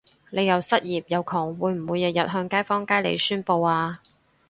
你又失業又窮會唔會日日向街坊街里宣佈吖？